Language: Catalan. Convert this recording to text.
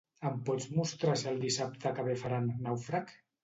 Em pots mostrar si el dissabte que ve faran "Nàufrag"?